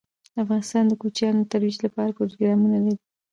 افغانستان د کوچیانو د ترویج لپاره پروګرامونه لري.